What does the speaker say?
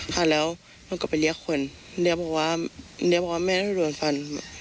ค่ะแล้วหนูก็ไปเรียกคนเรียกบอกว่าเรียกบอกว่าแม่ได้โดนฟัน